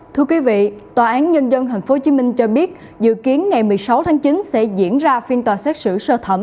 thưa quý vị tòa án nhân dân tp hcm cho biết dự kiến ngày một mươi sáu tháng chín sẽ diễn ra phiên tòa xét xử sơ thẩm